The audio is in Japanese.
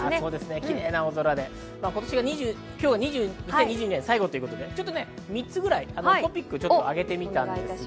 キレイな青空で今日が２０２２年、最後ということで３つぐらいトピックをあげてみました。